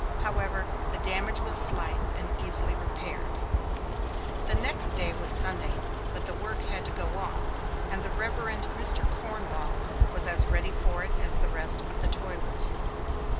However, the damage was slight and easily repaired. The next day was Sunday; but the work had to go on, and the Rev. Mr. Cornwall was as ready for it as the rest of the toilers.